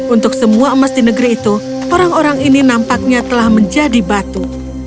untuk semua emas di negeri itu orang orang ini nampaknya telah menjadi batu